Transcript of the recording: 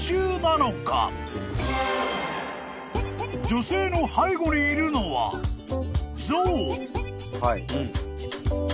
［女性の背後にいるのは象］